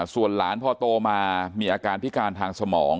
ส่วนหลานพอโตมามีอาการพิการทางสมอง